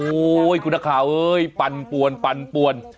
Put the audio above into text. โอ๊ยคุณนักข่าวเอ้ยปันปวน